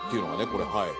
これはい。